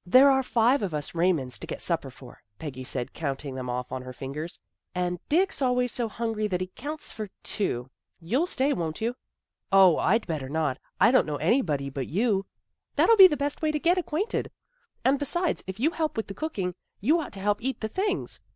" There are five of us Raymonds to get supper for," Peggy said count ing them off on her fingers. " And Dick's al ways so hungry that he counts for two. You'll stay, won't you? "" 0, I'd better not. I don't know anybody but you." " That'll be the best way to get acquainted. And, besides, if you help with the cooking, you ought to help eat the things.